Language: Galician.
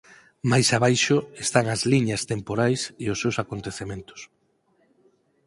Máis abaixo están as liñas temporais e os seus acontecementos.